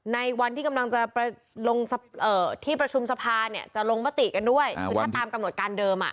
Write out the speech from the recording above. ในวันที่กำลังจะลงที่ประชุมสภาเนี่ยจะลงมติกันด้วยคือถ้าตามกำหนดการเดิมอ่ะ